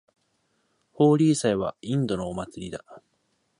ホーリー祭はインドのお祭りだ。